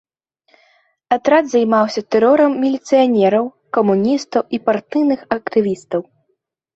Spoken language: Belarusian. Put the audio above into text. Атрад займаўся тэрорам міліцыянераў, камуністаў і партыйных актывістаў.